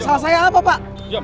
salah saya apa pak